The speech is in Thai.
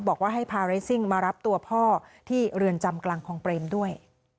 บอกว่าให้พาเรสซิ่งมารับตัวพ่อที่เรือนจำกลางคลองเปรมด้วย